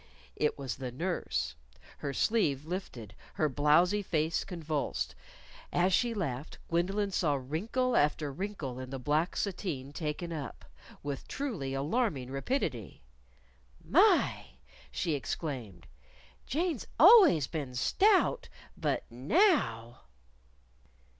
It was the nurse, her sleeve lifted, her blowzy face convulsed. As she laughed, Gwendolyn saw wrinkle after wrinkle in the black sateen taken up with truly alarming rapidity. "My!" she exclaimed. "Jane's always been stout. But now